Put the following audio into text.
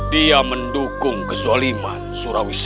dia mendukung kezaliman surauk sessa